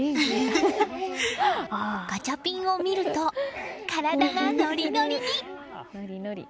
ガチャピンを見ると体がノリノリに！